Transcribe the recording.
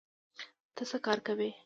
ته څه کار کوې؟